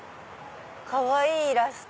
かわいいイラスト！